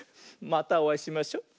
またおあいしましょ。